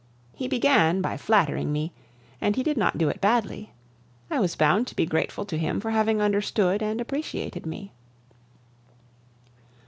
He began by flattering me, and he did not do it badly. I was bound to be grateful to him for having understood and appreciated me.